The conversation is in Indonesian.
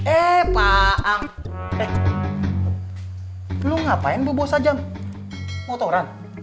eh pak ang eh lu ngapain berbosa jam mau tawuran